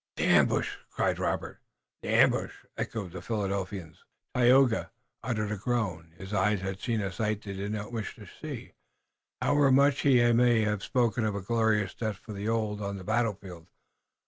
"The ambush!" cried Robert. "The ambush!" echoed the Philadelphians. Tayoga uttered a groan. His eyes had seen a sight they did not wish to see, however much he may have spoken of a glorious death for the old on the battlefield.